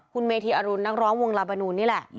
คุณเมธีอรุณนักร้องวงลาบานูนนี่แหละ